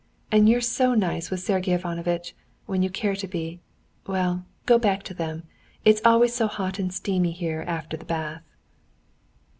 And you're so nice with Sergey Ivanovitch, when you care to be.... Well, go back to them. It's always so hot and steamy here after the bath."